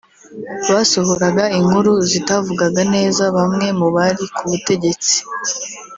Basohoraga inkuru zitavugaga neza bamwe mu bari ku butegetsi